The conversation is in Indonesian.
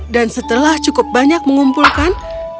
dan setelah cukup banyak mengumpulkan